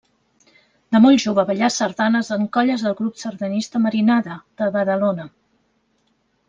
De molt jove ballà sardanes en colles del Grup Sardanista Marinada, de Badalona.